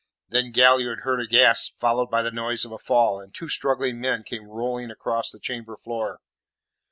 Then Galliard heard a gasp, followed by the noise of a fall, and two struggling men came rolling across the chamber floor.